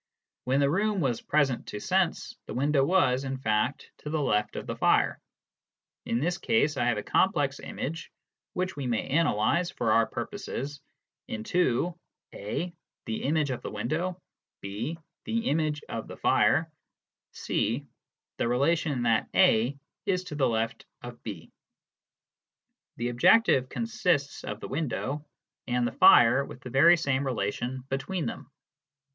When the room was present to sense, the window was, in fact,, to the left of the fire. In this case, I have a complex image,, which we may analyse, for our purposes, into (a) the image of the window, (b) the image of the fire, (c) the relation that (a) is to the left of (b). The objective consists of the window and the fire with the very same relation between them.